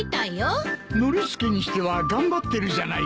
ノリスケにしては頑張ってるじゃないか。